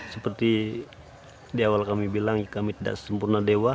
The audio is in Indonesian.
seperti di awal kami bilang kami tidak sempurna dewa